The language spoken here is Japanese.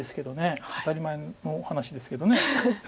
当たり前の話ですけど。